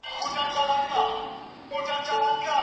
ولي مدام هڅاند د با استعداده کس په پرتله لوړ مقام نیسي؟